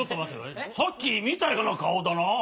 さっきみたようなかおだな。